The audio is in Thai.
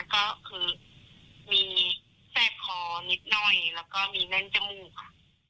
ก็คือมีแสบคอนิดหน่อยแล้วก็มีแน่นจมูกค่ะ